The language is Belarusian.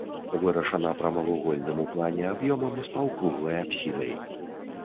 Вырашана прамавугольным у плане аб'ёмам з паўкруглай апсідай.